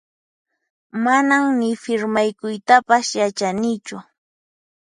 Manan ni firmaykuytapas yachanichu